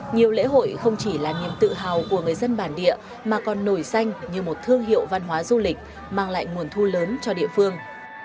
nhiều lễ hội không chỉ là niềm tự hào của người dân bản địa mà còn nổi danh như một thương hiệu văn hóa du lịch mang lại nguồn thu lớn cho địa phương